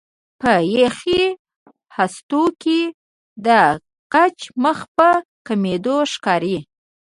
په یخي هستو کې د کچه مخ په کمېدو ښکاري.